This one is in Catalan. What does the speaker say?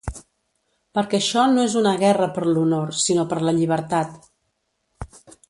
Perquè això no és una guerra per l'honor sinó per la llibertat.